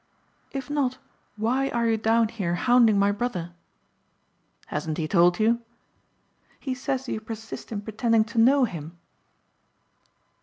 "If not why are you down here hounding my brother?" "Hasn't he told you?" "He says you persist in pretending to know him."